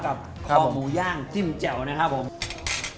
ขอหมูย่างจิ้มแจ่วนะครับผม